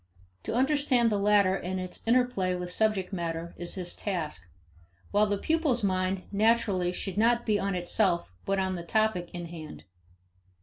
To understand the latter in its interplay with subject matter is his task, while the pupil's mind, naturally, should be not on itself but on the topic in hand.